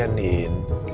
jangan bikin ren dipinggung